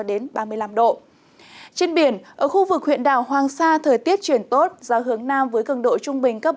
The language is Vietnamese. trên biển ở khu vực huyện đảo hoàng sa thời tiết chuyển tốt do hướng nam với cường độ trung bình cấp bốn